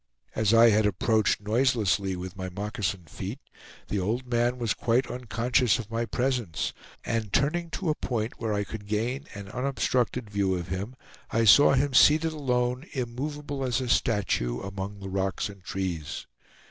As I had approached noiselessly with my moccasined feet, the old man was quite unconscious of my presence; and turning to a point where I could gain an unobstructed view of him, I saw him seated alone, immovable as a statue, among the rocks and trees.